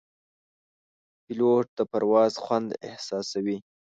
پیلوټ د پرواز خوند احساسوي.